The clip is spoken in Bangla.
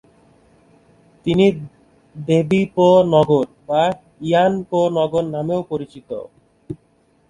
তিনি "দেবী পো নগর" বা "ইয়ান পো নগর" নামেও পরিচিত।